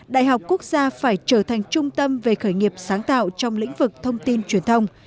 đại học quốc gia phải trở thành trung tâm về khởi nghiệp sáng tạo trong lĩnh vực thông tin truyền thông